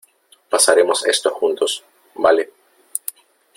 pasaremos esto juntos . vale .